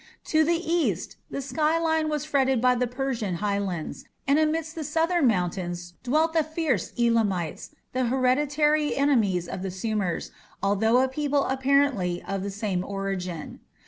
To the east the skyline was fretted by the Persian Highlands, and amidst the southern mountains dwelt the fierce Elamites, the hereditary enemies of the Sumerians, although a people apparently of the same origin.